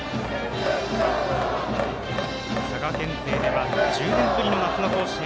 佐賀県勢では１０年ぶりの夏の甲子園。